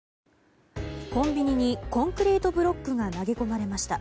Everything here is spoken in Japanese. コンビニにコンクリートブロックが投げ込まれました。